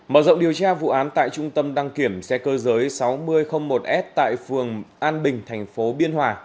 mở rộng điều tra vụ án tại trung tâm đăng kiểm xe cơ giới sáu nghìn một s tại phường an bình thành phố biên hòa